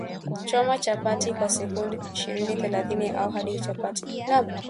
Choma chapati kwa sekunde ishirini thelathini au hadi chapati iwe na mabaka baka